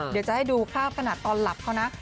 เดี๋ยวจะให้ดูภาพขนาดตอนหลับเขานะ